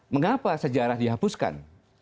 mengapa sejarah dihapuskan